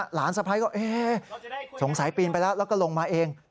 หลานสะพัยก็สงสัยปีนไปแล้วแล้วก็ลงมาเอง